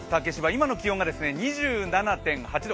今の気温が２７．８度